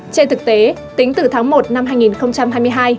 trên thực tế tính từ tháng một năm hai nghìn hai mươi hai